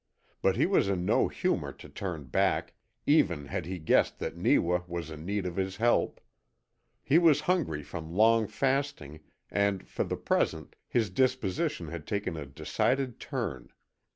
But he was in no humour to turn back, even had he guessed that Neewa was in need of his help. He was hungry from long fasting and, for the present, his disposition had taken a decided turn.